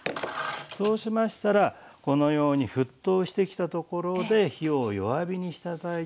そうしましたらこのように沸騰してきたところで火を弱火にして頂いて。